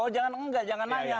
jangan tidak jangan nanya